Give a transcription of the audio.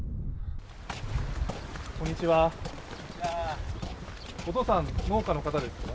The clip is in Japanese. こんにちは、お父さん農家の方ですか？